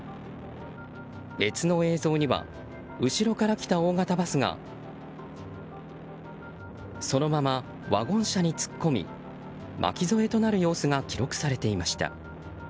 別の映像には後ろから来た大型バスがそのままワゴン車に突っ込み巻き添えとなる様子が記録されていました。